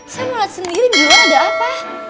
saya mau lihat sendiri di luar ada apa